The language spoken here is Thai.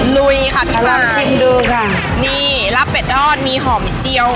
ลุยค่ะพี่ฟานชิมดูค่ะนี่ลาบเป็ดทอดมีหอมจิ้ว